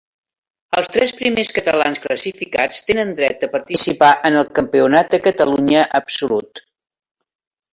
Els tres primers catalans classificats tenen dret a participar en el Campionat de Catalunya absolut.